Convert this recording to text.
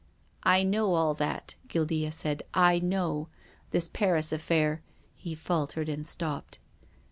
" I know all that," Guildea said, " I know. This Paris affair " He faltered and stopped.